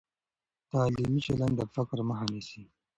تعلیمي چلند د فقر مخه نیسي.